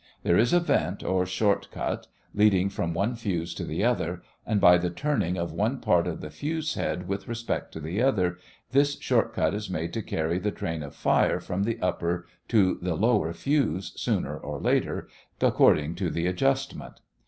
There is a vent, or short cut, leading from one fuse to the other, and, by the turning of one part of the fuse head with respect to the other, this short cut is made to carry the train of fire from the upper to the lower fuse sooner or later, according to the adjustment.